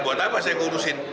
buat apa saya kurusin